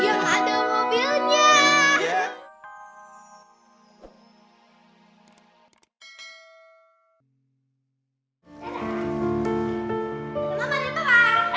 yang ada mobilnya